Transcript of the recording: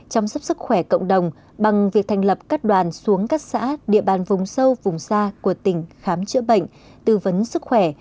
chăm sóc sức khỏe cộng đồng bằng việc thành lập các đoàn xuống các xã địa bàn vùng sâu vùng xa của tỉnh khám chữa bệnh tư vấn sức khỏe